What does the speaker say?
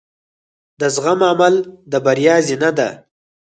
د زغم عمل د بریا زینه ده.